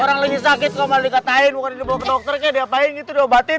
orang lagi sakit kok malah dikatain bukan di belok dokter kek diapain gitu diobatin